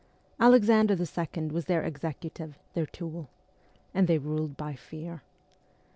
Alexander II. was their executive, their tool. And they ruled by fear.